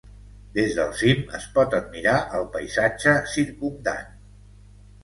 Des del cim es pot admirar el paisatge circumdant.